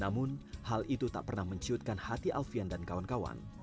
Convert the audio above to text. namun hal itu tak pernah menciutkan hati alfian dan kawan kawan